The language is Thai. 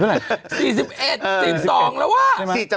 ๔๐เท่าไหร่